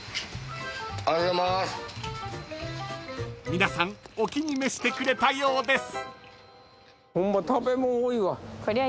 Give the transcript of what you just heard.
［皆さんお気に召してくれたようです］